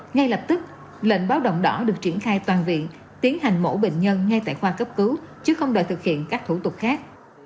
ngay lập tức lệnh báo động đỏ được triển khai toàn viện tiến hành mổ bệnh nhân ngay tại khoa cấp cứu chứ không đợi thực hiện các thủ tục khác